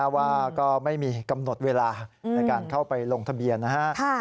ว่าก็ไม่มีกำหนดเวลาในการเข้าไปลงทะเบียนนะฮะ